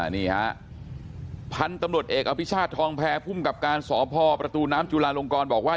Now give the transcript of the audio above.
นี่ฮะพันธุ์ตำรวจเอกอภิชาติทองแพรภูมิกับการสพประตูน้ำจุลาลงกรบอกว่า